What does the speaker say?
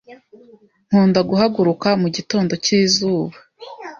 Nkunda guhaguruka mugitondo cyizuba